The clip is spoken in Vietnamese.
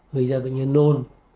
gây ra bệnh nhân nôn